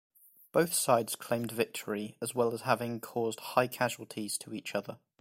Both sides claimed victory, as well as having caused high casualties to each other.